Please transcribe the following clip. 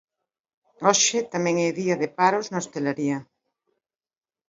Hoxe tamén é día de paros na hostalería.